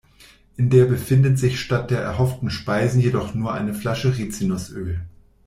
In der befindet sich statt der erhofften Speisen jedoch nur eine Flasche Rizinusöl.